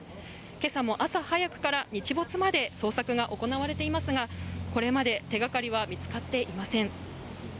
今朝も朝早くから日没まで捜索が行われていますがこれまで手がかりは見つかっていません。